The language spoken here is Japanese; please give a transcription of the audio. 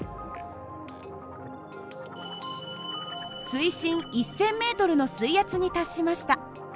水深１，０００ｍの水圧に達しました。